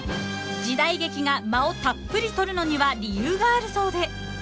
［時代劇が間をたっぷり取るのには理由があるそうで］